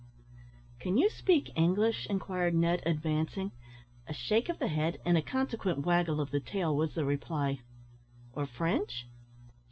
"Can you speak English?" inquired Ned, advancing. A shake of the head, and a consequent waggle of the tail was the reply. "Or French?"